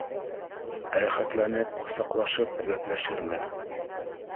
Рәхәтләнеп ҡосаҡлашып, гәпләшербеҙ